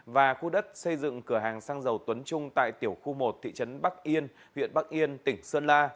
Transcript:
và khu đất xây dựng cửa hàng xăng dầu tuấn trung tại tiểu khu một thị trấn bắc yên huyện bắc yên tỉnh sơn la